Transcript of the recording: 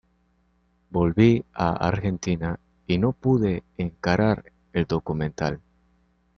Volví a Argentina y no pude encarar el documental.